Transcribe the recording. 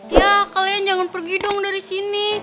ya kalian jangan pergi dong dari sini